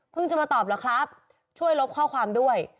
จะมาตอบแล้วครับช่วยลบข้อความด้วย